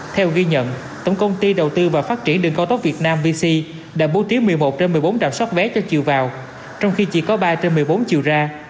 theo ghi nhận tổng công ty đầu tư và phát triển đường cao tốc việt nam vc đã bố trí một mươi một trên một mươi bốn trạm sóc vé cho chiều vào trong khi chỉ có ba trên một mươi bốn chiều ra